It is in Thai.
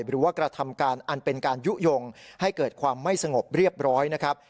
หรือว่ากระทำการอันเป็นการยุโยงให้เกิดความไม่สงบเรียบร้อยนะครับ